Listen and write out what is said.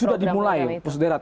sudah dimulai pos derad